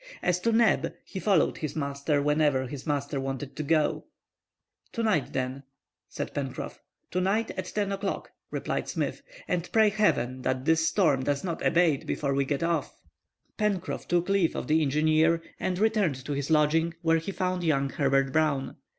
As to Neb, he followed his master wherever his master wanted to go. "To night, then," said Pencroff. "To night, at ten o'clock," replied Smith; "and pray heaven that this storm does not abate before we get off." Pencroff took leave of the engineer, and returned to his lodging, where he found young Herbert Brown.